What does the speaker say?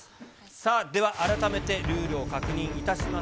さあ、では改めてルールを確認いたします。